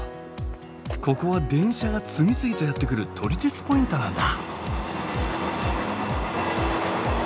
ここは電車が次々とやって来る撮り鉄ポイントなんだ。